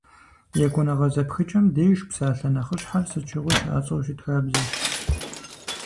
Екӏуныгъэ зэпхыкӏэм деж псалъэ нэхъыщхьэр сыт щыгъуи щыӏэцӏэу щыт хабзэщ.